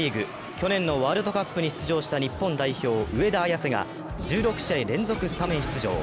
去年のワールドカップに出場した日本代表・上田綺世が１６試合連続スタメン出場。